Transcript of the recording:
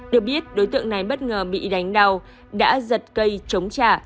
được biết đối tượng này bất ngờ bị đánh đau đã giật cây chống trả